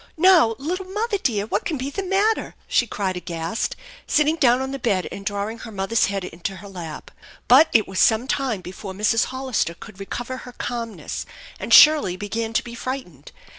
"Now, little mother, dear! What can be the matter?" she cried aghast, sitting down on the bed and drawing her mother's head into her lap. But it was some time before Mrs. Hollister could recover her calmness, and Shirley began to be frightened.